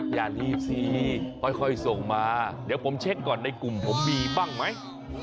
อย่ารีบซีค่อยส่งมาเดี๋ยวผมเช็คก่อนในกลุ่มผมมีบ้างไหม